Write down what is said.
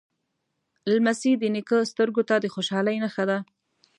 لمسی د نیکه سترګو ته د خوشحالۍ نښه ده.